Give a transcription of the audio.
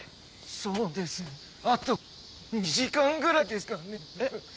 そうですねあと２時間ぐらいですかね。